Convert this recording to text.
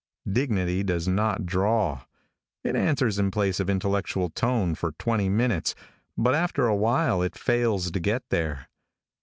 Dignity does not draw. It answers in place of intellectual tone for twenty minutes, but after awhile it fails to get there.